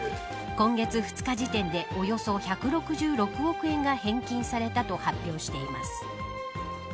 今月、２日時点でおよそ１６６億円が返金されたと発表しています。